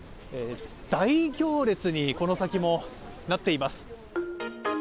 大行列にこの先もなっています。